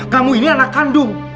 kamu ini anak kandung